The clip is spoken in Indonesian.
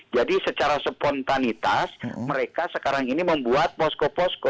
jadi secara spontanitas mereka sekarang ini membuat posko posko